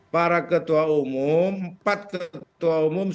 para ketua umum empat teaspoons